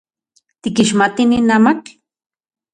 ¿Tikixmati nin amatl?